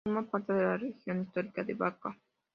Forma parte de la región histórica de Bačka.